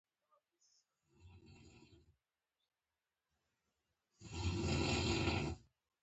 مرګ د انسان غرور ماتوي.